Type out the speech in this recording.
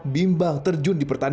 bimbang tetap di atas